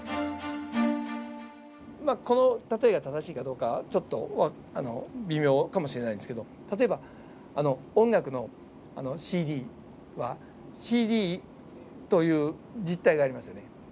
まあこの例えが正しいかどうかちょっと微妙かもしれないんですけど例えば音楽のＣＤはＣＤという実体がありますよね。